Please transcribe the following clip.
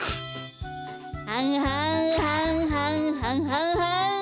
はんはんはんはんはんはんはん。